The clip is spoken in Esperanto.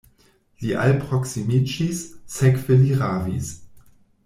Li alproksimiĝis, sekve li ravis.